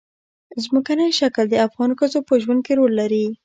ځمکنی شکل د افغان ښځو په ژوند کې رول لري.